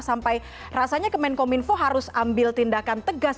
sampai rasanya kemenkominfo harus ambil tindakan tegas